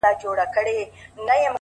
باور د عمل جرئت زیاتوي؛